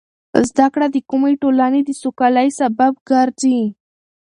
زده کړه د کومې ټولنې د سوکالۍ سبب ګرځي.